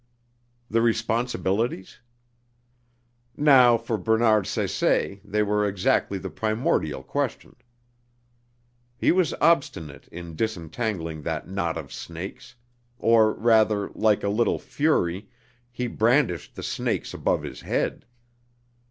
The responsibilities? Now for Bernard Saisset they were exactly the primordial question; he was obstinate in disentangling that knot of snakes; or rather, like a little Fury, he brandished the snakes above his head.